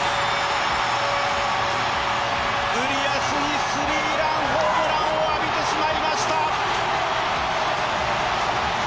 ウリアスにスリーランホームランを浴びてしまいました。